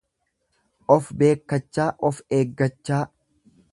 Of beekkachaa of eeggachaa.